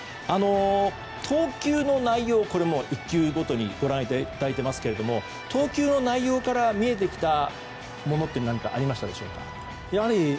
投球の内容、１球ごとにご覧いただいていますけども投球の内容から見えてきたものは何かありましたでしょうか。